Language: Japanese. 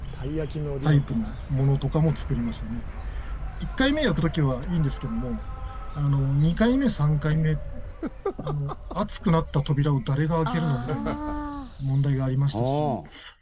１回目焼く時はいいんですけども２回目、３回目熱くなった扉を誰が開けるの？という問題がありましたし。